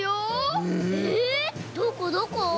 どこどこ？